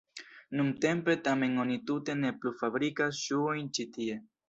Nuntempe tamen oni tute ne plu fabrikas ŝuojn ĉi tie.